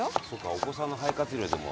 お子さんの肺活量でもね